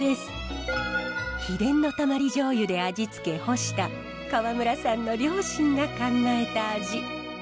秘伝のたまり醤油で味付け干した川村さんの両親が考えた味。